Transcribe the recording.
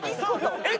えっ？